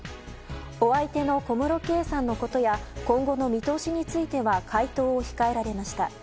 お相手の小室圭さんのことや今後の見通しについては回答を控えられました。